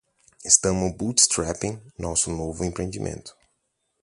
Estamos bootstrapping nosso novo empreendimento.